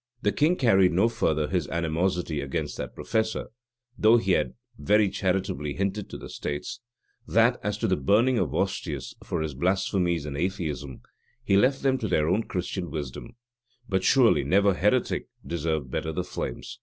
[*] The king carried no further his animosity against that professor; though he had very charitably hinted to the states, "That, as to the burning of Vorstius for his blasphemies and atheism, he left them to their own Christian wisdom; but surely never heretic better deserved the flames."